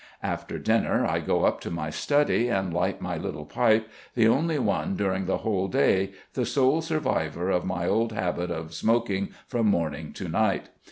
After dinner I go up to my study and light my little pipe, the only one during the whole day, the sole survivor of my old habit of smoking from morning to night.